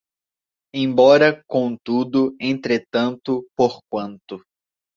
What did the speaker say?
Embora, contudo, entretanto, porquanto